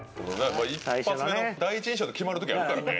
一発目の第一印象で決まる時あるからね。